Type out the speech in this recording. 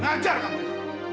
ngarjar kamu ini